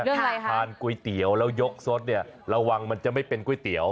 ใครทานก๋วยเตี๋ยวแล้วยกสดเนี่ยระวังมันจะไม่เป็นก๋วยเตี๋ยว